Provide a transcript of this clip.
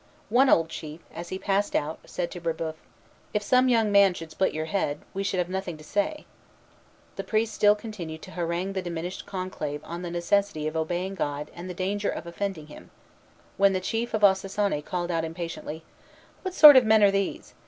One old chief, as he passed out, said to Brébeuf, "If some young man should split your head, we should have nothing to say." The priest still continued to harangue the diminished conclave on the necessity of obeying God and the danger of offending Him, when the chief of Ossossané called out impatiently, "What sort of men are these?